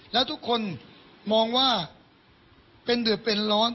แล้วทุกคนมองว่าเป็นเดือดเป็นร้อน